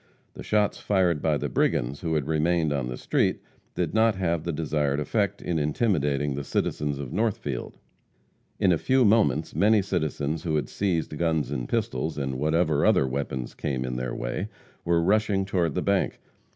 The shots fired by the brigands who had remained on the street did not have the desired effect in intimidating the citizens of Northfield. In a few moments many citizens who had seized guns and pistols, and whatever other weapons came in their way, were rushing toward the bank.